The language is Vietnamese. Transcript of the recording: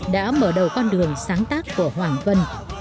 đã mở đầu con đường sáng tác của hoàng vân